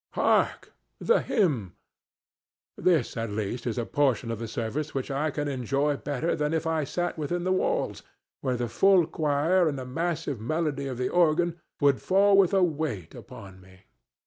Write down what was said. Hark! the hymn! This, at least, is a portion of the service which I can enjoy better than if I sat within the walls, where the full choir and the massive melody of the organ would fall with a weight upon me.